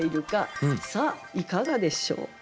さあいかがでしょう？